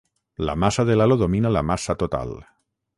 La massa de l'halo domina la massa total.